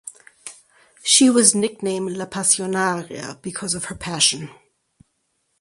She was nicknamed "la pasionaria" because of her passion.